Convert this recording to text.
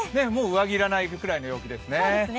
上着要らないくらいの陽気ですね。